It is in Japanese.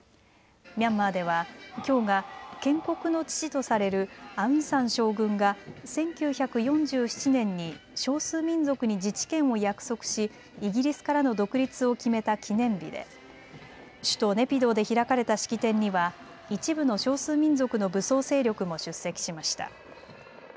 ミャンマーではきょうが建国の父とされるアウン・サン将軍が１９４７年に少数民族に自治権を約束しイギリスからの独立を決めた記念日で首都ネピドーで開かれた式典には一部の少数民族の武装勢力も出席しました。